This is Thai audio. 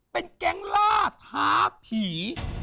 เป็นแก๊งล่าท้าผี